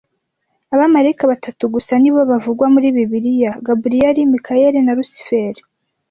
Abamarayika batatu gusa ni bo bavugwa muri Bibiliya Gaburiyeli Mikayeli na Lusiferi